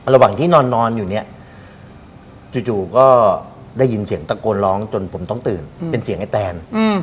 ระหว่างที่นอนอยู่เนี่ยจู่ก็ได้ยินเสียงตะโกนร้องจนผมต้องตื่นเป็นเสียงไอ้แตน